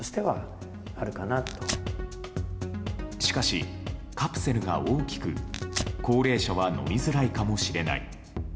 しかし、カプセルが大きく高齢者は飲みづらいかもしれない。